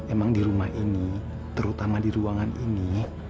emang di rumah ini terutama di ruangan ini